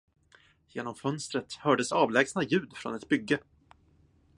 Genom fönstret hördes avlägsna ljud från ett bygge.